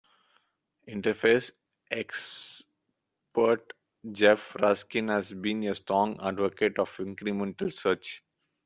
Interface expert Jef Raskin has been a strong advocate of incremental search.